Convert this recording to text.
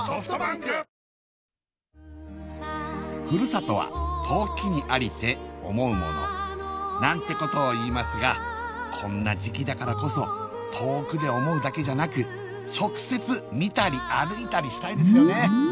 「ふるさとは遠きにありて思うもの」なんてことを言いますがこんな時期だからこそ遠くで思うだけじゃなく直接見たり歩いたりしたいですよね